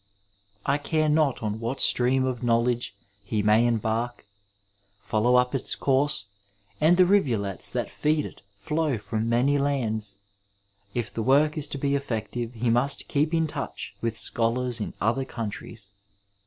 I caie not on what stream of knowledge he may embark, follow up its course, and the rivulets that feed it flow from many lands. If the woric is to be effective he must keep in touch with schoktfs in other countries.